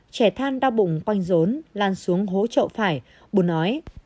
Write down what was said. trẻ than đau bụng quanh rốn lan xuống hố trậu phải bùn ói